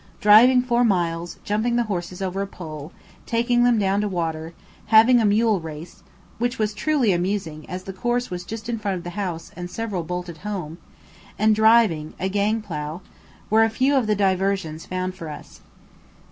Driving four miles, jumping the horses over a pole, taking them down to water, having a mule race (which was truly amusing as the course was just in front of the house and several bolted home), and driving, a gang plough, were a few of the "diversions" found for us.